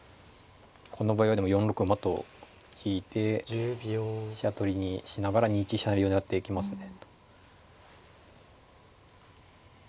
この場合はでも４六馬と引いて飛車取りにしながら２一飛車成を狙っていきますね。